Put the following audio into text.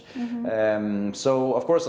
jadi tentu saja banyak orang